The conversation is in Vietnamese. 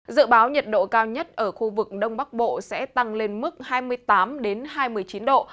dự báo nhiệt độ cao nhất ở khu vực đông bắc bộ sẽ tăng lên mức hai mươi tám hai mươi chín độ